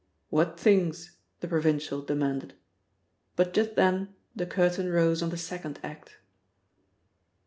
"What things?" the provincial demanded. But just then the curtain rose on the second act.